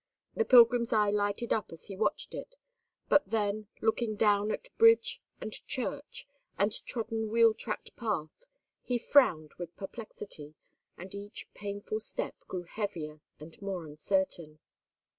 The pilgrim's eye lighted up as he watched it; but then, looking down at bridge, and church, and trodden wheel tracked path, he frowned with perplexity, and each painful step grew heavier and more uncertain.